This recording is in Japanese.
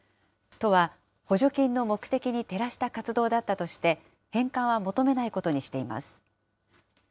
都は補助金の目的に照らした活動だったとして返還は求めないことにしています。